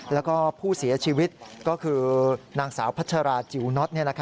แล้วก็ผู้เสียชีวิตก็คือนางสาวพัชราจิ๋วน็อต